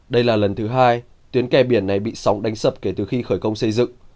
đây là lần thứ hai tuyến kè biển này bị sóng đánh sập kể từ khi khởi công xây dựng